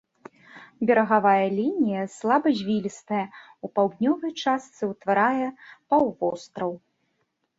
Берагавая лінія слабазвілістая, у паўднёвай частцы ўтварае паўвостраў.